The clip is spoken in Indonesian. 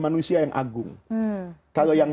manusia yang agung kalau yang